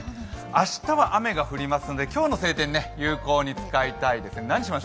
明日は雨が降りますので今日の晴天有効に使いたいですよね。